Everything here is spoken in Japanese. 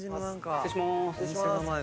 失礼します。